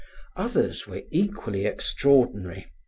Others were equally extraordinary.